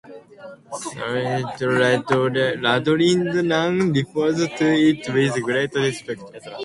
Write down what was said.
Sarvepalli Radhakrishnan refers to it with great respect.